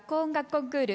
コンクール